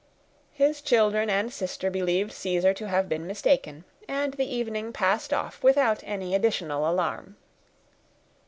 His children and sister believed Caesar to have been mistaken, and the evening passed off without any additional alarm.